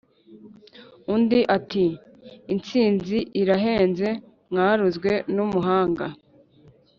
Undi ati"insinzi irahenze mwarozwe n’umuhanga"